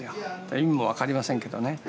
意味も分かりませんけどね。